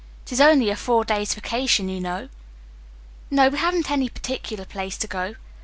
It is only a four days' vacation, you know." "No, we haven't any particular place to go.